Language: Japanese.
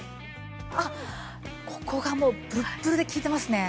あっここがもうブルッブルで効いてますね。